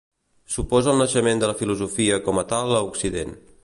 Suposa el naixement de la filosofia com a tal a Occident.